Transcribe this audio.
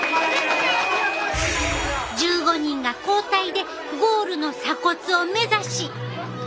１５人が交代でゴールの鎖骨を目指し。